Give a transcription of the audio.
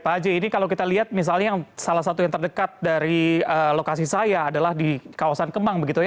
pak haji ini kalau kita lihat misalnya salah satu yang terdekat dari lokasi saya adalah di kawasan kemang begitu ya